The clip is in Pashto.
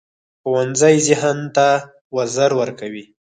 ښوونځی ذهن ته وزر ورکوي